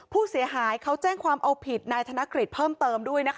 ผู้เสียหายเขาแจ้งความเอาผิดนายธนกฤษเพิ่มเติมด้วยนะคะ